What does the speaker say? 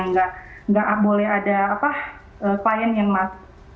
nggak boleh ada klien yang masuk